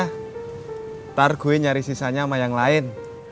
ntar gue nyari sisanya sama yang lain